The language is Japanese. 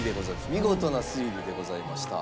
見事な推理でございました。